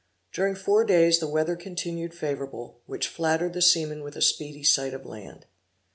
During four days the weather continued favorable, which flattered the seamen with a speedy sight of land.